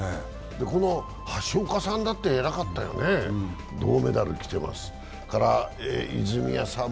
橋岡さんだって偉かったよね、銅メダルきてます。